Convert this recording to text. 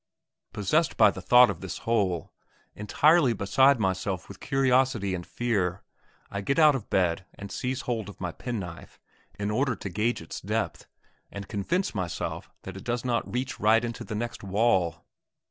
Possessed by the thought of this hole, entirely beside myself with curiosity and fear, I get out of bed and seize hold of my penknife in order to gauge its depth, and convince myself that it does not reach right into the next wall.